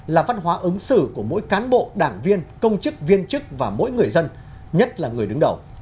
là văn hóa ứng xử của mỗi cán bộ đảng viên công chức viên chức và mỗi người dân nhất là người đứng đầu